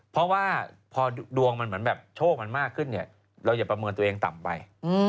เพราะว่าพอดวงมันเหมือนแบบโชคมันมากขึ้นเนี่ยเราอย่าประเมินตัวเองต่ำไป